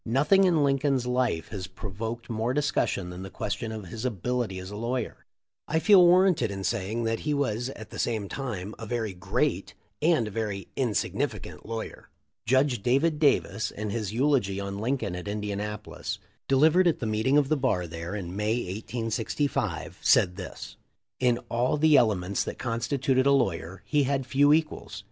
Nothing in Lincoln's life has pro voked more discussion than the question of his ability as a lawyer. I feel warranted in saying that he was at the same time a very great and a very insignificant lawyer. Judge David Davis, in his eulogy on Lincoln at Indianapolis, delivered at the meeting of the bar there in May, 1865, said this: "In all the elements that constituted a lawyer he had few equals.